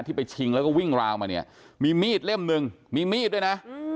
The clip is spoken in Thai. ไปชิงแล้วก็วิ่งราวมาเนี่ยมีมีดเล่มหนึ่งมีมีดด้วยนะ